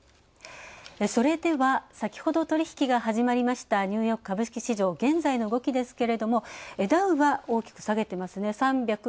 それでは、先ほど取引が始まりましたニューヨーク株式市場、現在の動きですけれどもダウは大きく下げていますね。